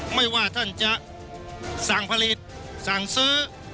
ไม่ว่าท่านจะสั่งผลิตสั่งซื้อ